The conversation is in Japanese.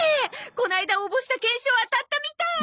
この間応募した懸賞当たったみたい！